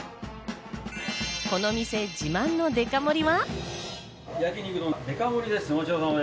この店自慢のデカ盛りは？